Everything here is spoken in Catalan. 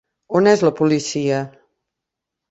On és la policia?